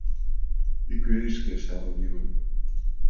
— Иквереш, — келша Родион.